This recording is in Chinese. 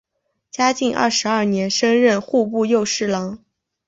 嘉靖二十二年升任户部右侍郎。